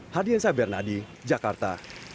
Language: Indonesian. hadirin saya bernadi jakarta